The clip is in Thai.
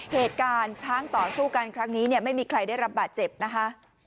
เหตุการณ์ช้างต่อสู้กันครั้งนี้เนี่ยไม่มีใครได้รับบาดเจ็บนะคะ